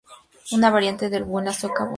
Una variante de Bo es la sueca Bosse.